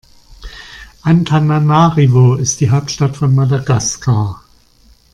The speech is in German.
Antananarivo ist die Hauptstadt von Madagaskar.